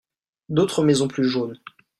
D'autres maisons plus jaunes.